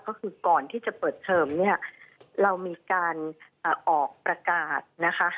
ก็คือก่อนที่จะเปิดเทอมเนี่ยเรามีการออกประกาศนะคะ